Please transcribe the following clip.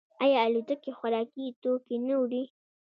آیا الوتکې خوراکي توکي نه وړي؟